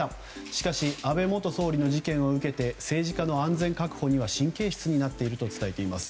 しかし、安倍元総理の事件を受け政治家の安全確保には神経質になっていると伝えています。